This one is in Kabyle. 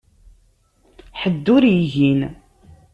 Ḥedd ur igin.